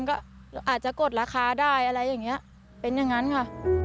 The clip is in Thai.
ก็อาจจะกดราคาได้อะไรอย่างนี้เป็นอย่างนั้นค่ะ